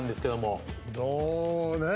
どうねえ？